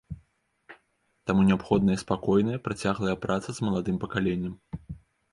Таму неабходная спакойная, працяглая праца з маладым пакаленнем.